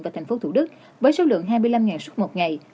và thành phố thủ đức với số lượng hai mươi năm xuất một ngày